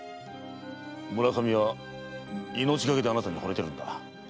村上は命がけであなたに惚れてるんだ。